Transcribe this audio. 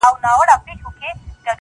بیا نو هر درد ته مرهم دی